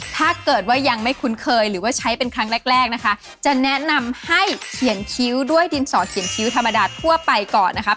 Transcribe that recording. ถ้าเกิดว่ายังไม่คุ้นเคยหรือว่าใช้เป็นครั้งแรกแรกนะคะจะแนะนำให้เขียนคิ้วด้วยดินสอเขียนคิ้วธรรมดาทั่วไปก่อนนะคะ